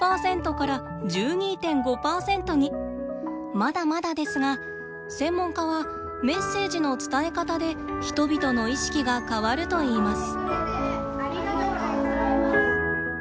まだまだですが専門家はメッセージの伝え方で人々の意識が変わるといいます。